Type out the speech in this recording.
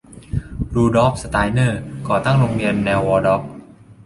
รูดอล์ฟ สไตนเนอร์ ก่อตั้งโรงเรียนแนววอลดอร์ฟ